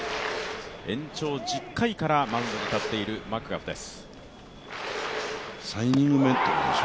延長１０回からマウンドに立っているマクガフです。